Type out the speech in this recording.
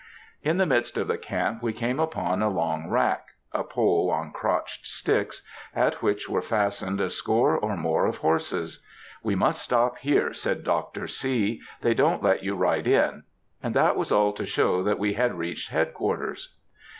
In the midst of the camp we came upon a long rack,—a pole on crotched sticks,—at which were fastened a score or more of horses. "We must stop here," said Dr. C. "They don't let you ride in." And that was all to show that we had reached Head quarters.